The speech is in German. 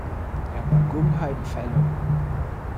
Er war Guggenheim Fellow.